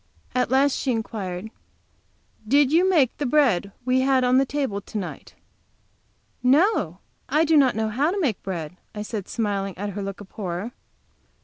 At last she inquired: "Did you make the bread we had on the table to night?" "No, I do not know how to make bread," I said, smiling at her look of horror.